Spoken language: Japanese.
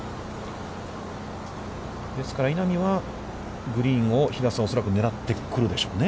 ですから、稲見はグリーンを平瀬さん、恐らく狙ってくるでしょうね。